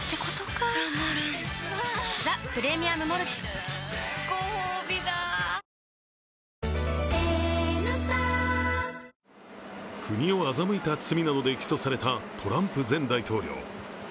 しみるごほうびだ国を欺いた罪などで起訴されたトランプ前大統領。